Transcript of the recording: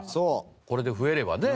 これで増えればね。